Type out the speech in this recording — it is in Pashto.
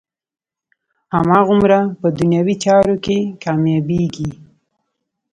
هماغومره په دنیوي چارو کې کامیابېږي.